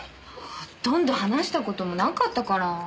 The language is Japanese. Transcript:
ほとんど話した事もなかったから。